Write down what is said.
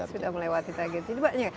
sudah melewati targetnya